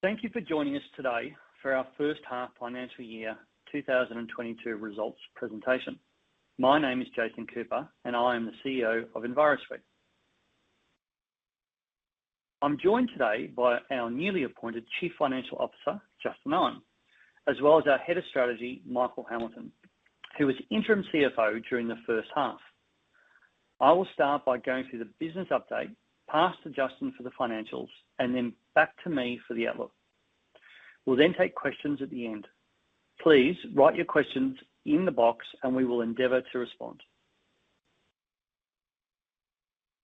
Thank you for joining us today for our first half financial year 2022 results presentation. My name is Jason Cooper, and I am the CEO of Envirosuite. I'm joined today by our newly appointed Chief Financial Officer, Justin Owen, as well as our Head of Strategy, Michael Hamilton, who was interim CFO during the first half. I will start by going through the business update, pass to Justin for the financials, and then back to me for the outlook. We'll then take questions at the end. Please write your questions in the box, and we will endeavor to respond.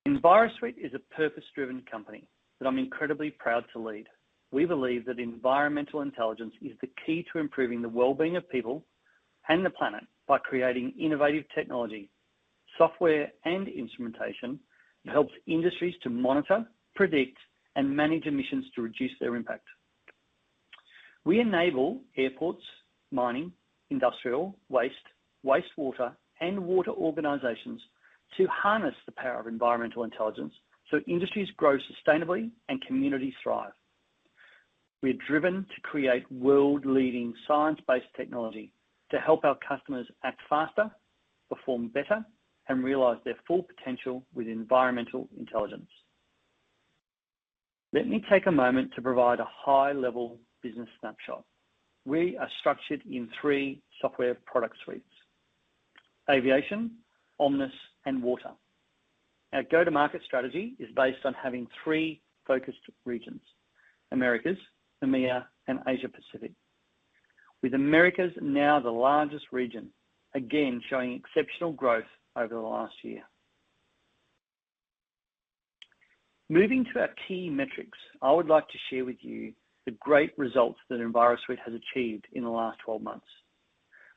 Envirosuite is a purpose-driven company that I'm incredibly proud to lead. We believe that environmental intelligence is the key to improving the well-being of people and the planet by creating innovative technology, software, and instrumentation that helps industries to monitor, predict, and manage emissions to reduce their impact. We enable airports, mining, industrial waste, wastewater, and water organizations to harness the power of environmental intelligence so industries grow sustainably and communities thrive. We're driven to create world-leading science-based technology to help our customers act faster, perform better, and realize their full potential with environmental intelligence. Let me take a moment to provide a high-level business snapshot. We are structured in 3 software product suites: Aviation, Omnis, and Water. Our go-to-market strategy is based on having 3 focused regions: Americas, EMEA, and Asia Pacific, with Americas now the largest region, again, showing exceptional growth over the last year. Moving to our key metrics, I would like to share with you the great results that Envirosuite has achieved in the last 12 months.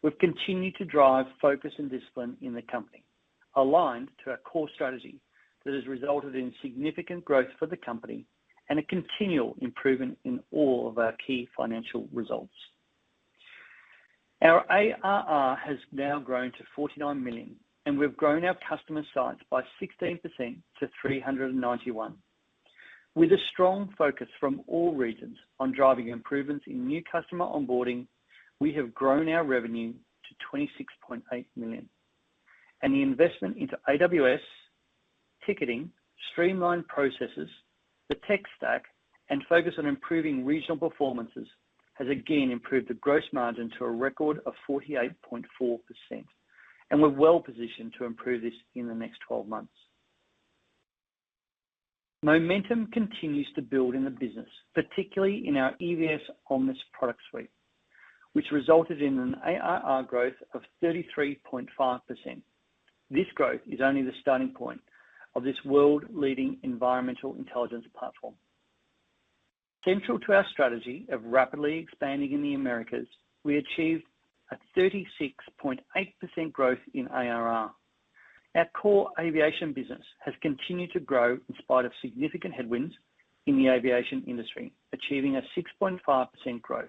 We've continued to drive focus and discipline in the company aligned to our core strategy that has resulted in significant growth for the company and a continual improvement in all of our key financial results. Our ARR has now grown to 49 million, and we've grown our customer sites by 16% to 391. With a strong focus from all regions on driving improvements in new customer onboarding, we have grown our revenue to 26.8 million. The investment into AWS, ticketing, streamlined processes, the tech stack, and focus on improving regional performances has again improved the gross margin to a record of 48.4%. We're well-positioned to improve this in the next 12 months. Momentum continues to build in the business, particularly in our EVS Omnis product suite, which resulted in an ARR growth of 33.5%. This growth is only the starting point of this world-leading environmental intelligence platform. Central to our strategy of rapidly expanding in the Americas, we achieved a 36.8% growth in ARR. Our core aviation business has continued to grow in spite of significant headwinds in the aviation industry, achieving a 6.5% growth,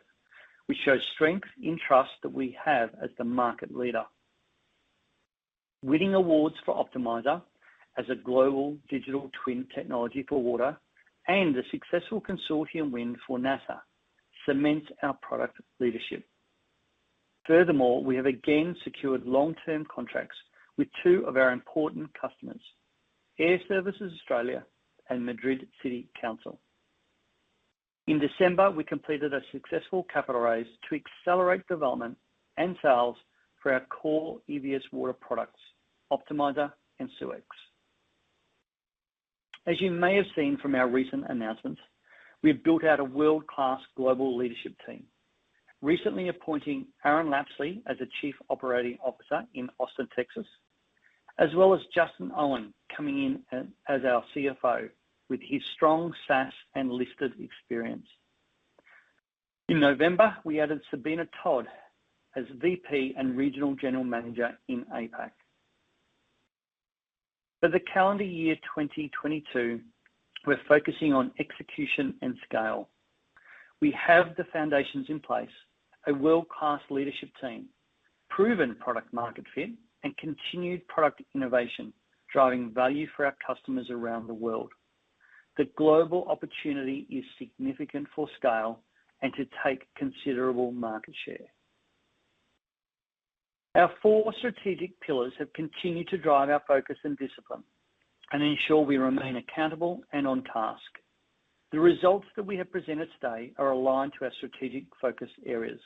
which shows strength in trust that we have as the market leader. Winning awards for Plant Optimiser as a global digital twin technology for water and a successful consortium win for NASA cements our product leadership. Furthermore, we have again secured long-term contracts with two of our important customers, Airservices Australia and Madrid City Council. In December, we completed a successful capital raise to accelerate development and sales for our core EVS Water products, Plant Optimiser and SeweX. As you may have seen from our recent announcements, we've built out a world-class global leadership team, recently appointing Aaron Lapsley as the Chief Operating Officer in Austin, Texas, as well as Justin Owen coming in as our CFO with his strong SaaS and listed experience. In November, we added Sabina Todd as VP and Regional General Manager in APAC. For the calendar year 2022, we're focusing on execution and scale. We have the foundations in place, a world-class leadership team, proven product market fit, and continued product innovation driving value for our customers around the world. The global opportunity is significant for scale and to take considerable market share. Our four strategic pillars have continued to drive our focus and discipline and ensure we remain accountable and on task. The results that we have presented today are aligned to our strategic focus areas.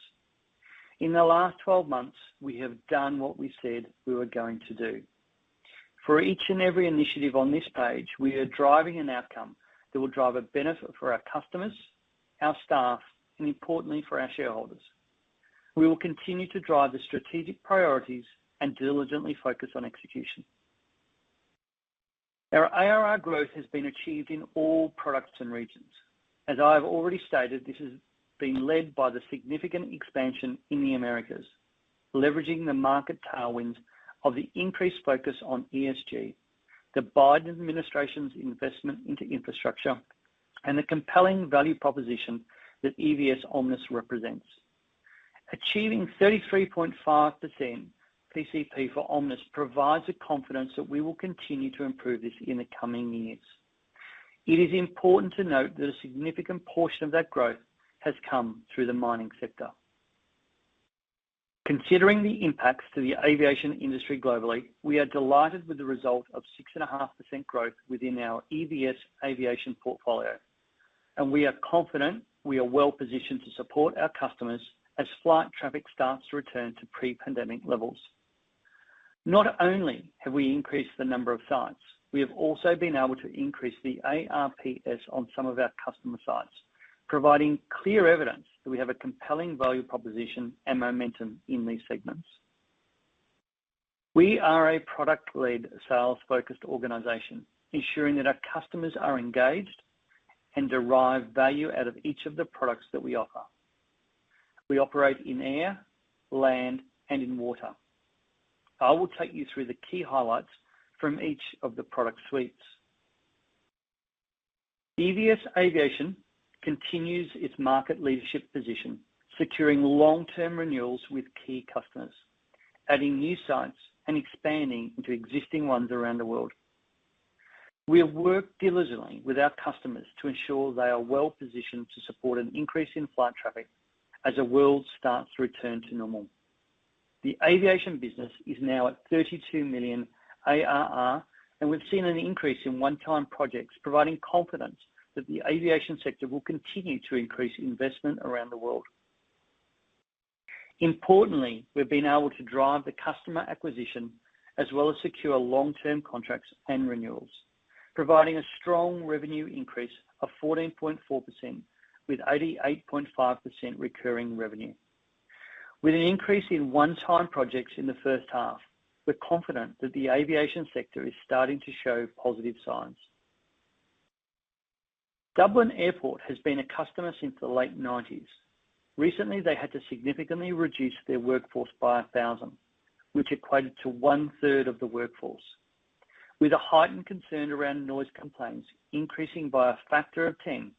In the last 12 months, we have done what we said we were going to do. For each and every initiative on this page, we are driving an outcome that will drive a benefit for our customers, our staff, and importantly for our shareholders. We will continue to drive the strategic priorities and diligently focus on execution. Our ARR growth has been achieved in all products and regions. As I have already stated, this has been led by the significant expansion in the Americas, leveraging the market tailwinds of the increased focus on ESG, the Biden administration's investment into infrastructure, and the compelling value proposition that EVS Omnis represents. Achieving 33.5% PCP for Omnis provides the confidence that we will continue to improve this in the coming years. It is important to note that a significant portion of that growth has come through the mining sector. Considering the impacts to the aviation industry globally, we are delighted with the result of 6.5% growth within our EVS Aviation portfolio, and we are confident we are well-positioned to support our customers as flight traffic starts to return to pre-pandemic levels. Not only have we increased the number of sites, we have also been able to increase the ARPS on some of our customer sites, providing clear evidence that we have a compelling value proposition and momentum in these segments. We are a product-led, sales-focused organization ensuring that our customers are engaged and derive value out of each of the products that we offer. We operate in air, land, and in water. I will take you through the key highlights from each of the product suites. EVS Aviation continues its market leadership position, securing long-term renewals with key customers, adding new sites and expanding into existing ones around the world. We have worked diligently with our customers to ensure they are well positioned to support an increase in flight traffic as the world starts to return to normal. The aviation business is now at 32 million ARR, and we've seen an increase in one-time projects providing confidence that the aviation sector will continue to increase investment around the world. Importantly, we've been able to drive the customer acquisition as well as secure long-term contracts and renewals, providing a strong revenue increase of 14.4% with 88.5% recurring revenue. With an increase in one-time projects in the first half, we're confident that the aviation sector is starting to show positive signs. Dublin Airport has been a customer since the late nineties. Recently, they had to significantly reduce their workforce by 1,000, which equated to one-third of the workforce. With a heightened concern around noise complaints increasing by a factor of 10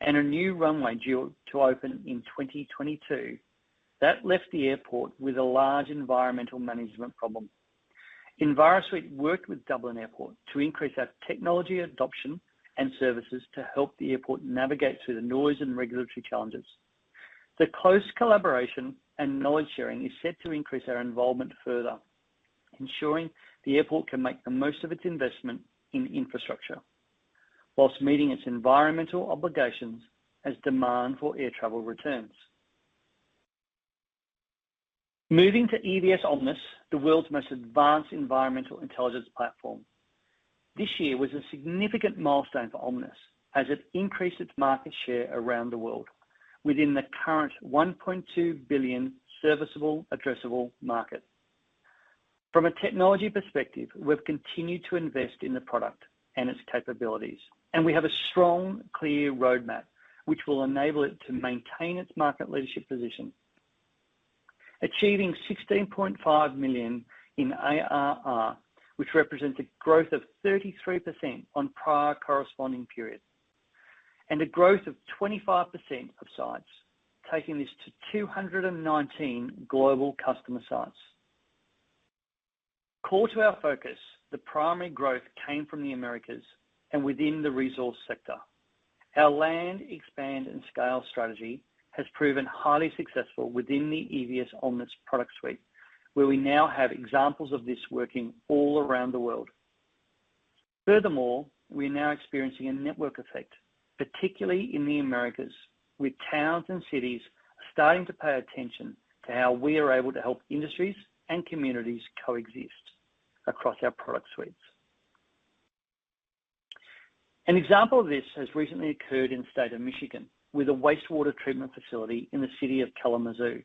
and a new runway due to open in 2022, that left the airport with a large environmental management problem. Envirosuite worked with Dublin Airport to increase our technology adoption and services to help the airport navigate through the noise and regulatory challenges. The close collaboration and knowledge sharing is set to increase our involvement further, ensuring the airport can make the most of its investment in infrastructure while meeting its environmental obligations as demand for air travel returns. Moving to EVS Omnis, the world's most advanced environmental intelligence platform. This year was a significant milestone for Omnis as it increased its market share around the world within the current 1.2 billion serviceable addressable market. From a technology perspective, we've continued to invest in the product and its capabilities, and we have a strong, clear roadmap which will enable it to maintain its market leadership position. Achieving 16.5 million in ARR, which represents a growth of 33% on prior corresponding periods and a growth of 25% of sites, taking this to 219 global customer sites. Core to our focus, the primary growth came from the Americas and within the resource sector. Our land expand and scale strategy has proven highly successful within the EVS Omnis product suite, where we now have examples of this working all around the world. Furthermore, we are now experiencing a network effect, particularly in the Americas, with towns and cities starting to pay attention to how we are able to help industries and communities coexist across our product suites. An example of this has recently occurred in the State of Michigan with a wastewater treatment facility in the City of Kalamazoo.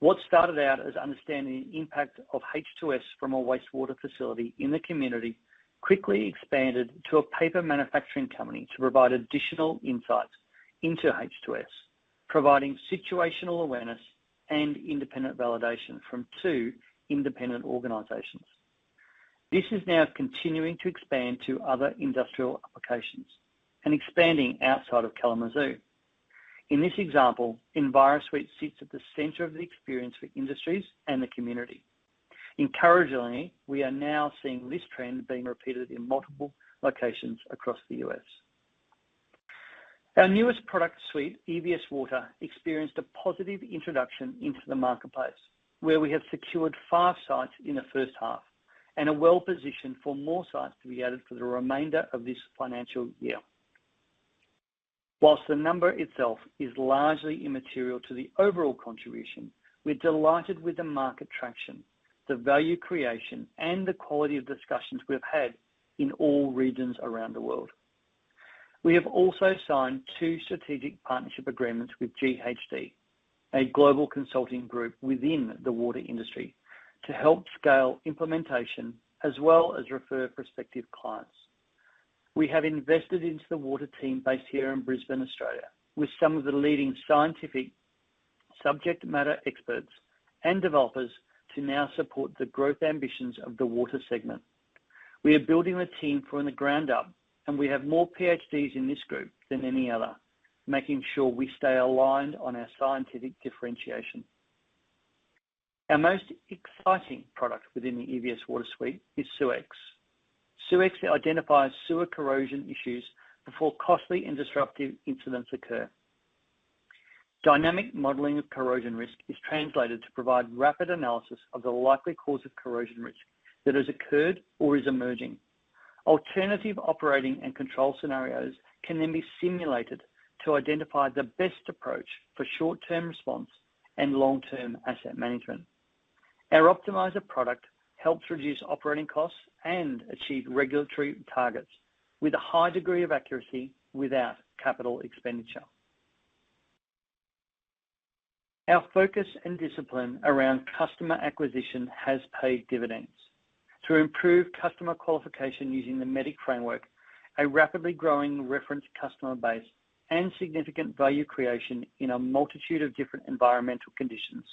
What started out as understanding the impact of H2S from a wastewater facility in the community quickly expanded to a paper manufacturing company to provide additional insights into H2S, providing situational awareness and independent validation from two independent organizations. This is now continuing to expand to other industrial applications and expanding outside of Kalamazoo. In this example, Envirosuite sits at the center of the experience for industries and the community. Encouragingly, we are now seeing this trend being repeated in multiple locations across the U.S. Our newest product suite, EVS Water, experienced a positive introduction into the marketplace, where we have secured five sites in the first half and are well-positioned for more sites to be added for the remainder of this financial year. While the number itself is largely immaterial to the overall contribution, we're delighted with the market traction, the value creation, and the quality of discussions we have had in all regions around the world. We have also signed two strategic partnership agreements with GHD, a global consulting group within the water industry, to help scale implementation as well as refer prospective clients. We have invested into the water team based here in Brisbane, Australia, with some of the leading scientific subject matter experts and developers to now support the growth ambitions of the water segment. We are building the team from the ground up, and we have more PhDs in this group than any other, making sure we stay aligned on our scientific differentiation. Our most exciting product within the EVS Water suite is SeweX. SeweX identifies sewer corrosion issues before costly and disruptive incidents occur. Dynamic modeling of corrosion risk is translated to provide rapid analysis of the likely cause of corrosion risk that has occurred or is emerging. Alternative operating and control scenarios can then be simulated to identify the best approach for short-term response and long-term asset management. Our Optimiser product helps reduce operating costs and achieve regulatory targets with a high degree of accuracy without capital expenditure. Our focus and discipline around customer acquisition has paid dividends. To improve customer qualification using the MEDDIC framework, a rapidly growing reference customer base and significant value creation in a multitude of different environmental conditions,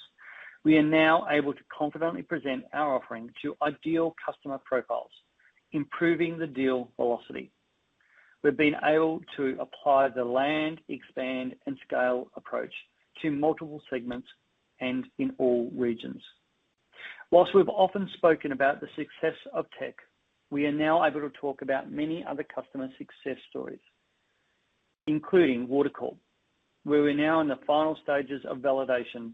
we are now able to confidently present our offering to ideal customer profiles, improving the deal velocity. We've been able to apply the land, expand, and scale approach to multiple segments and in all regions. While we've often spoken about the success of TEC, we are now able to talk about many other customer success stories, including Water Corporation, where we're now in the final stages of validation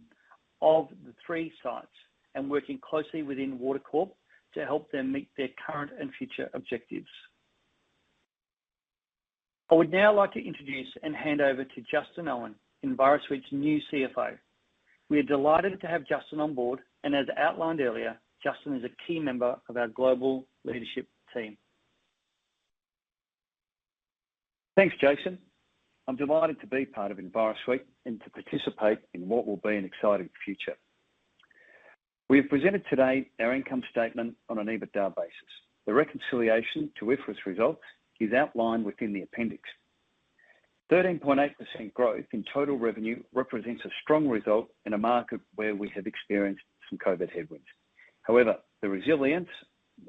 of the three sites and working closely within Water Corporation to help them meet their current and future objectives. I would now like to introduce and hand over to Justin Owen, Envirosuite's new CFO. We are delighted to have Justin on board, and as outlined earlier, Justin is a key member of our global leadership team. Thanks, Jason. I'm delighted to be part of Envirosuite and to participate in what will be an exciting future. We have presented today our income statement on an EBITDA basis. The reconciliation to IFRS results is outlined within the appendix. 13.8% growth in total revenue represents a strong result in a market where we have experienced some COVID headwinds. However, the resilience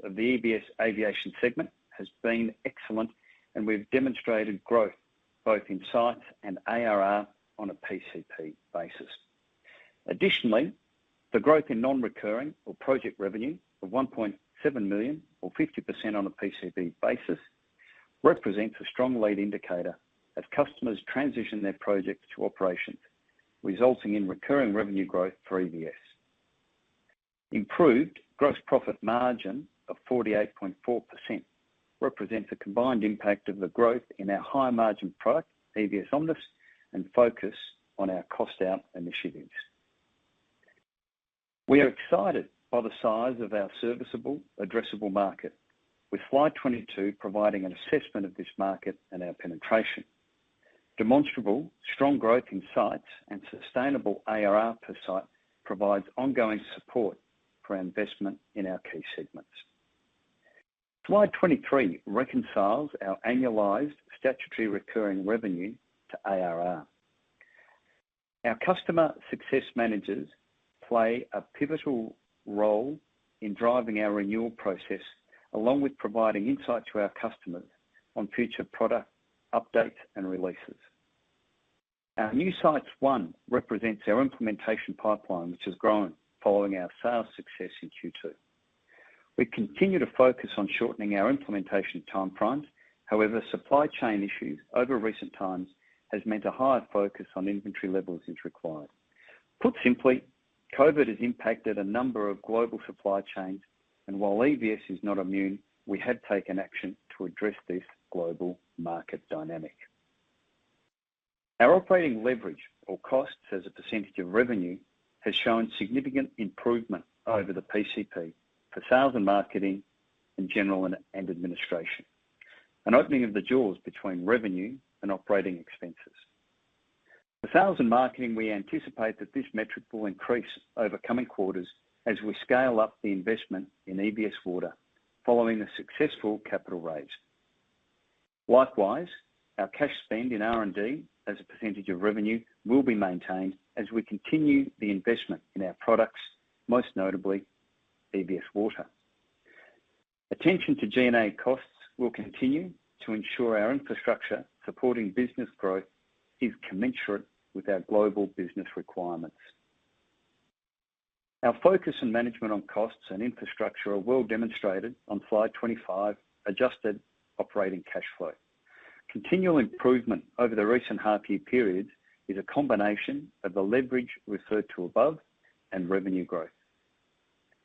of the EVS Aviation segment has been excellent, and we've demonstrated growth both in sites and ARR on a PCP basis. Additionally, the growth in non-recurring or project revenue of 1.7 million or 50% on a PCP basis represents a strong lead indicator as customers transition their projects to operations, resulting in recurring revenue growth for EVS. Improved gross profit margin of 48.4% represents a combined impact of the growth in our high-margin product, EVS Omnis, and focus on our cost-out initiatives. We are excited by the size of our serviceable addressable market, with slide 22 providing an assessment of this market and our penetration. Demonstrable strong growth in sites and sustainable ARR per site provides ongoing support for investment in our key segments. Slide 23 reconciles our annualized statutory recurring revenue to ARR. Our customer success managers play a pivotal role in driving our renewal process, along with providing insight to our customers on future product updates and releases. Our new sites won represents our implementation pipeline, which has grown following our sales success in Q2. We continue to focus on shortening our implementation timeframes. However, supply chain issues over recent times has meant a higher focus on inventory levels is required. Put simply, COVID has impacted a number of global supply chains, and while EVS is not immune, we have taken action to address this global market dynamic. Our operating leverage or costs as a percentage of revenue has shown significant improvement over the PCP for sales and marketing in general and administration. An opening of the jaws between revenue and operating expenses. For sales and marketing, we anticipate that this metric will increase over coming quarters as we scale up the investment in EVS Water following the successful capital raise. Likewise, our cash spend in R&D as a percentage of revenue will be maintained as we continue the investment in our products, most notably EVS Water. Attention to G&A costs will continue to ensure our infrastructure supporting business growth is commensurate with our global business requirements. Our focus and management on costs and infrastructure are well demonstrated on slide 25, adjusted operating cash flow. Continual improvement over the recent half year periods is a combination of the leverage referred to above and revenue growth.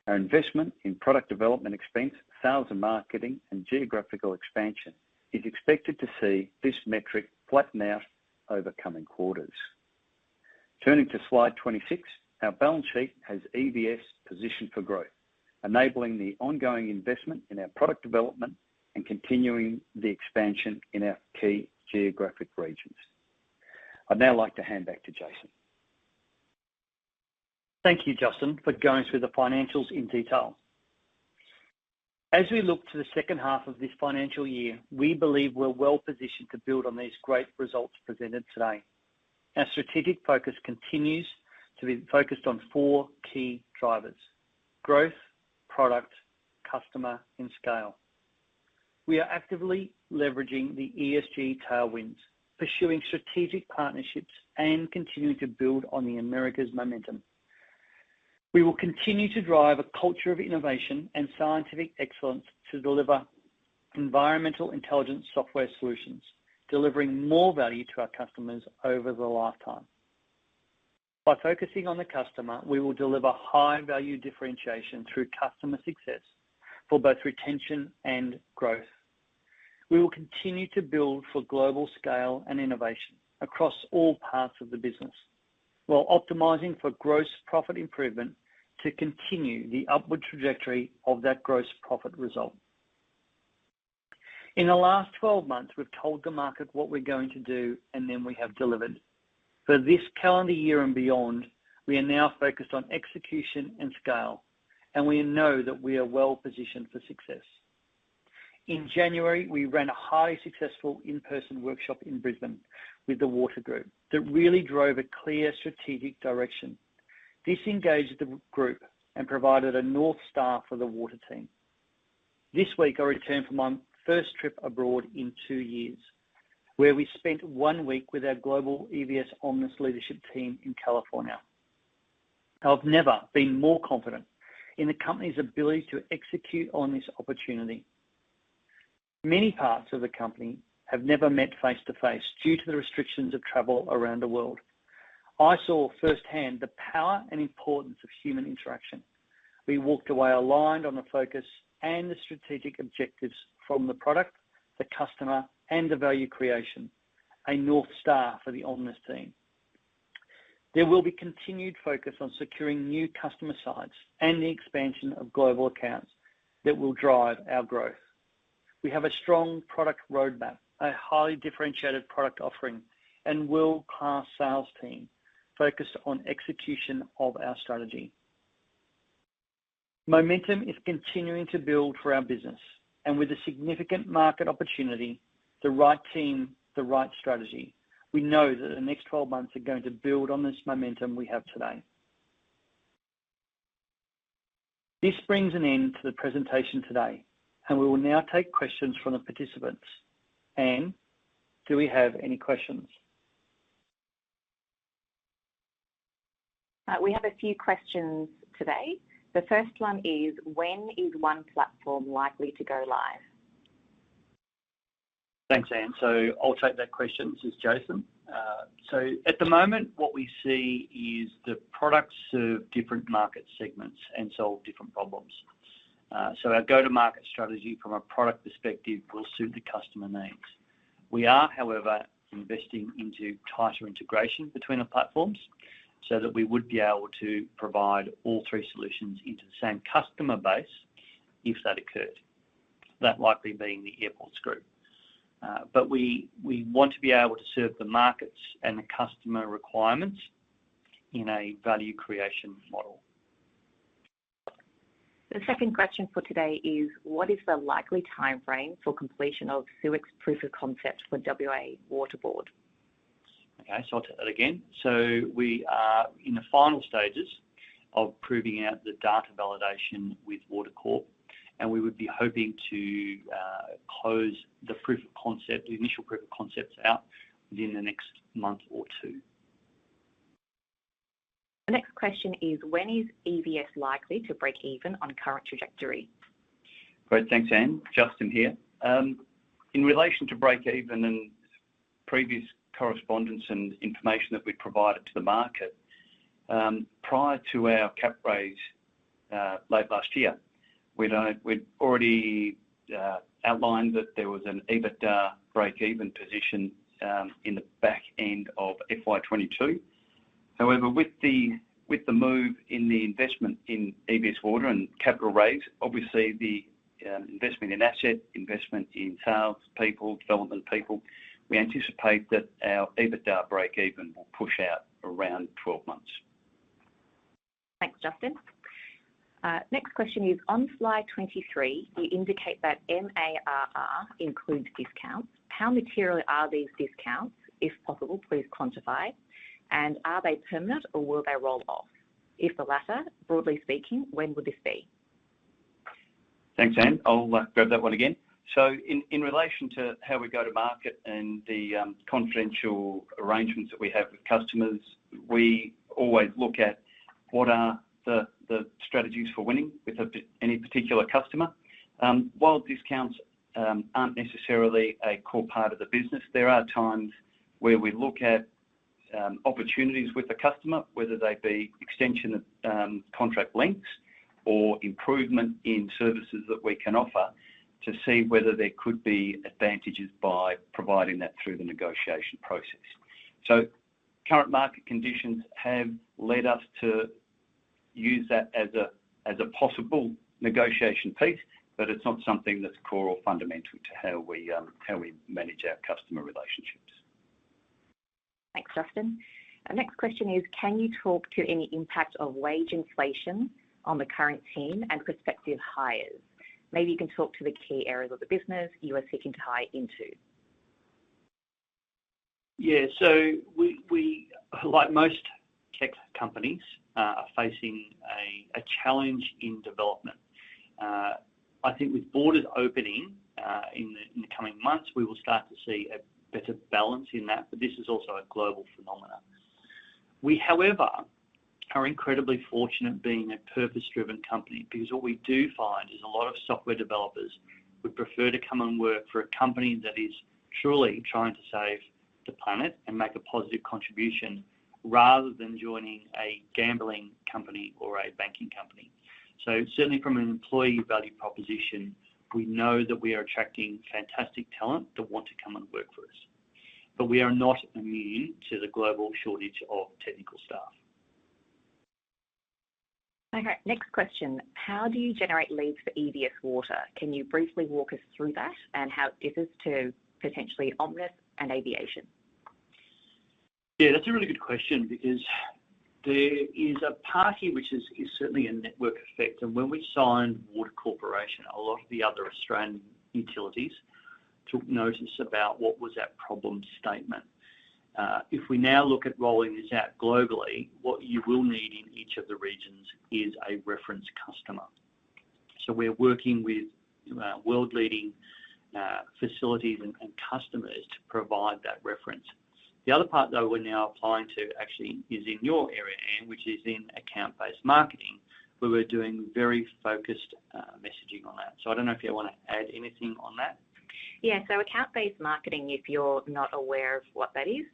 Our investment in product development expense, sales and marketing, and geographical expansion is expected to see this metric flatten out over coming quarters. Turning to slide 26, our balance sheet has EVS positioned for growth, enabling the ongoing investment in our product development and continuing the expansion in our key geographic regions. I'd now like to hand back to Jason. Thank you, Justin, for going through the financials in detail. As we look to the second half of this financial year, we believe we're well-positioned to build on these great results presented today. Our strategic focus continues to be focused on four key drivers, growth, product, customer, and scale. We are actively leveraging the ESG tailwinds, pursuing strategic partnerships and continuing to build on the Americas momentum. We will continue to drive a culture of innovation and scientific excellence to deliver environmental intelligence software solutions, delivering more value to our customers over the lifetime. By focusing on the customer, we will deliver high value differentiation through customer success for both retention and growth. We will continue to build for global scale and innovation across all parts of the business, while optimizing for gross profit improvement to continue the upward trajectory of that gross profit result. In the last 12 months, we've told the market what we're going to do, and then we have delivered. For this calendar year and beyond, we are now focused on execution and scale, and we know that we are well-positioned for success. In January, we ran a highly successful in-person workshop in Brisbane with the water group that really drove a clear strategic direction. This engaged the group and provided a North Star for the water team. This week, I returned from my first trip abroad in 2 years, where we spent 1 week with our global EVS Omnis leadership team in California. I've never been more confident in the company's ability to execute on this opportunity. Many parts of the company have never met face to face due to the restrictions of travel around the world. I saw firsthand the power and importance of human interaction. We walked away aligned on the focus and the strategic objectives from the product, the customer, and the value creation, a North Star for the Omnis team. There will be continued focus on securing new customer sites and the expansion of global accounts that will drive our growth. We have a strong product roadmap, a highly differentiated product offering, and world-class sales team focused on execution of our strategy. Momentum is continuing to build for our business, and with a significant market opportunity, the right team, the right strategy, we know that the next 12 months are going to build on this momentum we have today. This brings an end to the presentation today, and we will now take questions from the participants. Anne, do we have any questions? We have a few questions today. The first one is: When is one platform likely to go live? Thanks, Anne. I'll take that question. This is Jason. At the moment, what we see is the products serve different market segments and solve different problems. Our go-to-market strategy from a product perspective will suit the customer needs. We are, however, investing into tighter integration between the platforms so that we would be able to provide all three solutions into the same customer base if that occurred. That likely being the airports group. We want to be able to serve the markets and the customer requirements in a value creation model. The second question for today is: What is the likely timeframe for completion of SeweX's proof of concept for Water Corporation? We are in the final stages of proving out the data validation with Water Corp, and we would be hoping to close the proof of concept, the initial proof of concepts out within the next month or two. The next question is: When is EVS likely to break even on current trajectory? Great. Thanks, Anne. Justin here. In relation to break even and previous correspondence and information that we provided to the market, prior to our cap raise, late last year, we'd already outlined that there was an EBITDA break even position in the back end of FY 2022. However, with the move in the investment in EVS Water and capital raise, obviously the investment in sales people, development people, we anticipate that our EBITDA break even will push out around 12 months. Thanks, Justin. Next question is, on slide 23, you indicate that ARR includes discounts. How material are these discounts? If possible, please quantify. Are they permanent or will they roll off? If the latter, broadly speaking, when would this be? Thanks, Anne. I'll grab that one again. In relation to how we go to market and the confidential arrangements that we have with customers, we always look at what are the strategies for winning with any particular customer. While discounts aren't necessarily a core part of the business, there are times where we look at opportunities with the customer, whether they be extension of contract lengths or improvement in services that we can offer to see whether there could be advantages by providing that through the negotiation process. Current market conditions have led us to use that as a possible negotiation piece, but it's not something that's core or fundamental to how we manage our customer relationships. Thanks, Justin. Our next question is: Can you talk to any impact of wage inflation on the current team and prospective hires? Maybe you can talk to the key areas of the business you are seeking to tie into. Yeah. We, like most tech companies, are facing a challenge in development. I think with borders opening, in the coming months, we will start to see a better balance in that, but this is also a global phenomenon. We, however, are incredibly fortunate being a purpose-driven company because what we do find is a lot of software developers would prefer to come and work for a company that is truly trying to save the planet and make a positive contribution rather than joining a gambling company or a banking company. Certainly from an employee value proposition, we know that we are attracting fantastic talent that want to come and work for us. We are not immune to the global shortage of technical staff. Okay. Next question: How do you generate leads for EVS Water? Can you briefly walk us through that and how it differs to potentially Omnis and Aviation? Yeah, that's a really good question because there is a parity which is certainly a network effect, and when we signed Water Corporation, a lot of the other Australian utilities took notice about what was that problem statement. If we now look at rolling this out globally, what you will need in each of the regions is a reference customer. We're working with world-leading facilities and customers to provide that reference. The other part though we're now applying to actually is in your area, Anne, which is in account-based marketing, where we're doing very focused messaging on that. I don't know if you wanna add anything on that. Yeah. Account-based marketing, if you're not aware of what that is,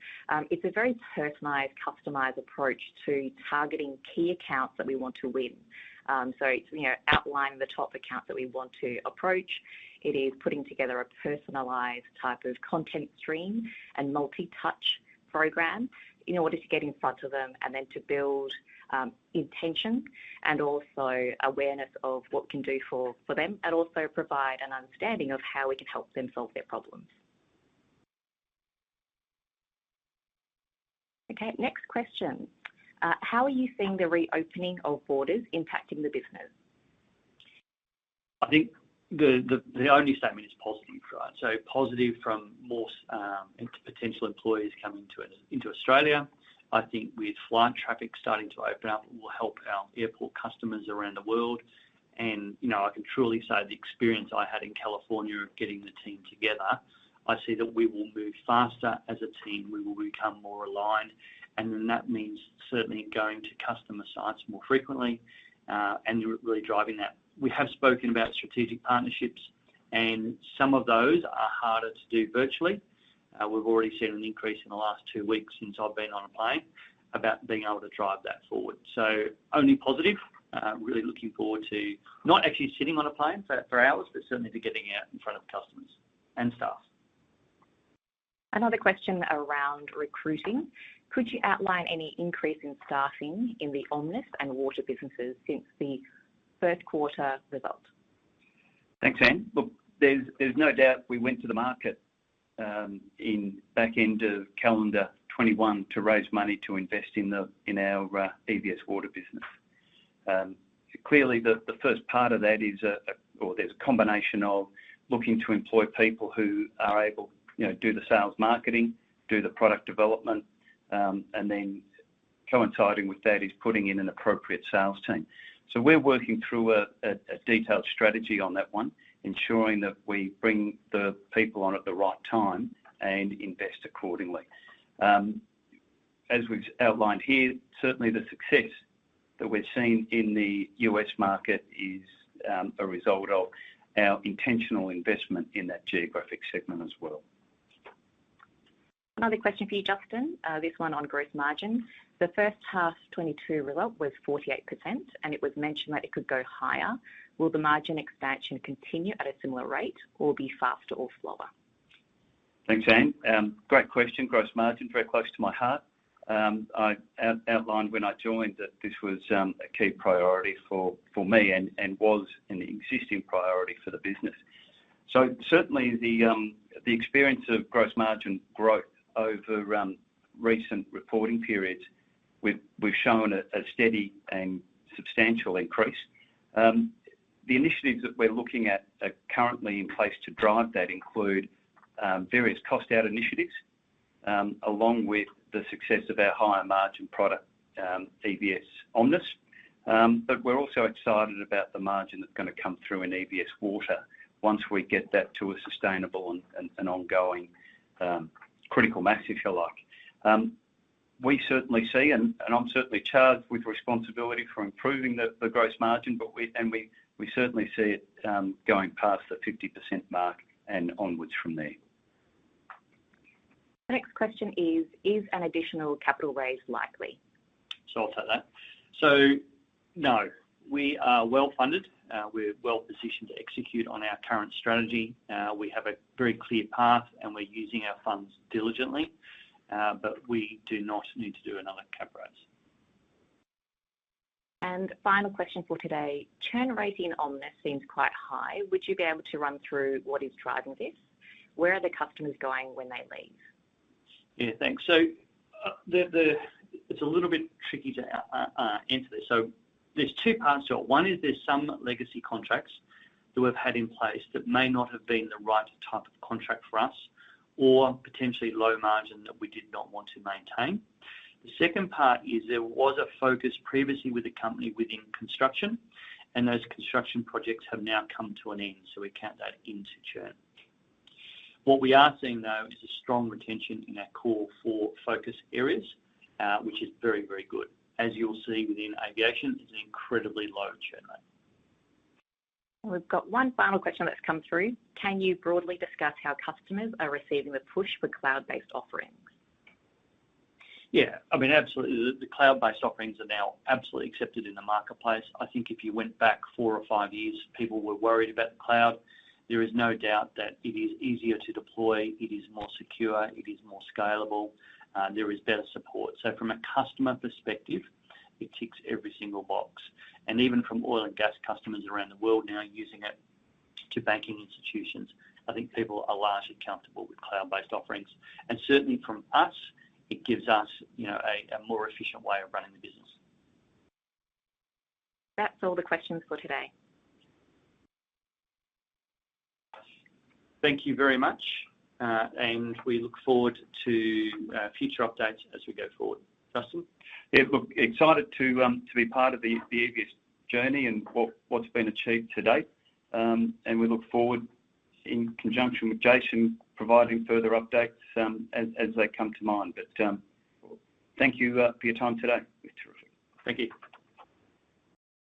it's a very personalized, customized approach to targeting key accounts that we want to win. It's, you know, outline the top account that we want to approach. It is putting together a personalized type of content stream and multi-touch program in order to get in front of them and then to build intention and also awareness of what we can do for them, and also provide an understanding of how we can help them solve their problems. Okay, next question. How are you seeing the reopening of borders impacting the business? The only statement is positive, right? Positive from more and potential employees coming into Australia. I think with flight traffic starting to open up will help our airport customers around the world. I can truly say the experience I had in California of getting the team together. I see that we will move faster as a team. We will become more aligned, and then that means certainly going to customer sites more frequently and really driving that. We have spoken about strategic partnerships, and some of those are harder to do virtually. We've already seen an increase in the last two weeks since I've been on a plane about being able to drive that forward. Only positive. Really looking forward to not actually sitting on a plane for hours, but certainly to getting out in front of customers and staff. Another question around recruiting. Could you outline any increase in staffing in the Omnis and Water businesses since the first quarter result? Thanks, Anne. Look, there's no doubt we went to the market in the back end of calendar 2021 to raise money to invest in our EVS Water business. Clearly the first part of that is a combination of looking to employ people who are able, you know, do the sales marketing, do the product development, and then coinciding with that is putting in an appropriate sales team. We're working through a detailed strategy on that one, ensuring that we bring the people on at the right time and invest accordingly. As we've outlined here, certainly the success that we've seen in the U.S. market is a result of our intentional investment in that geographic segment as well. Another question for you, Justin. This one on growth margin. The first half 2022 result was 48%, and it was mentioned that it could go higher. Will the margin expansion continue at a similar rate or be faster or slower? Thanks, Anne. Great question. Gross margin, very close to my heart. I outlined when I joined that this was a key priority for me and was an existing priority for the business. Certainly the experience of gross margin growth over recent reporting periods, we've shown a steady and substantial increase. The initiatives that we're looking at are currently in place to drive that include various cost out initiatives, along with the success of our higher margin product, EVS Omnis. But we're also excited about the margin that's gonna come through in EVS Water once we get that to a sustainable and ongoing critical mass, if you like. We certainly see and I'm certainly charged with responsibility for improving the gross margin, but we certainly see it going past the 50% mark and onwards from there. The next question is: Is an additional capital raise likely? I'll take that. No. We are well-funded. We're well-positioned to execute on our current strategy. We have a very clear path, and we're using our funds diligently. We do not need to do another cap raise. Final question for today. Churn rate in Omnis seems quite high. Would you be able to run through what is driving this? Where are the customers going when they leave? Yeah, thanks. It's a little bit tricky to answer this. There's two parts to it. One is there's some legacy contracts that we've had in place that may not have been the right type of contract for us or potentially low margin that we did not want to maintain. The second part is there was a focus previously with the company within construction, and those construction projects have now come to an end, so we count that into churn. What we are seeing, though, is a strong retention in our core four focus areas, which is very, very good. As you'll see within Aviation, it's an incredibly low churn rate. We've got one final question that's come through. Can you broadly discuss how customers are receiving the push for cloud-based offerings? Yeah. I mean, absolutely. The cloud-based offerings are now absolutely accepted in the marketplace. If you went back four or five years, people were worried about the cloud. There is no doubt that it is easier to deploy, it is more secure, it is more scalable, there is better support. From a customer perspective, it ticks every single box. Even from oil and gas customers around the world now using it to banking institutions, I think people are largely comfortable with cloud-based offerings. Certainly from us, it gives us a more efficient way of running the business. That's all the questions for today. Thank you very much. We look forward to future updates as we go forward. Justin? Yeah. Look, excited to be part of the EVS journey and what's been achieved to date. We look forward in conjunction with Jason providing further updates as they come to mind. Thank you for your time today. Terrific. Thank you.